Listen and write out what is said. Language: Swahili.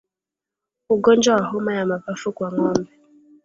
Ugonjwa wa homa ya mapafu kwa ngombe